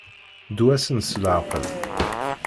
Ddu-asen s leɛqel.